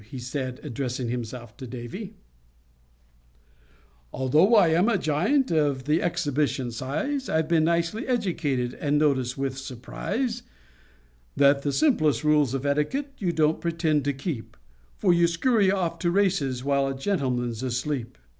he said, addressing himself to Davy: _Although I am a giant of the exhibition size, I've been nicely educated, and I notice with surprise That the simplest rules of etiquette you don't pretend to keep, For you skurry off to races while a gentleman's asleep.